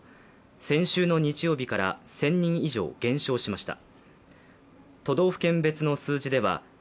先週の日曜日から１０００人以上減少しました。